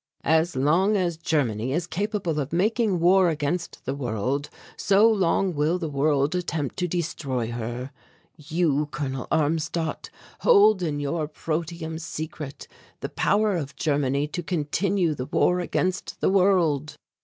As long as Germany is capable of making war against the world so long will the world attempt to destroy her. You, Colonel Armstadt, hold in your protium secret the power of Germany to continue the war against the world.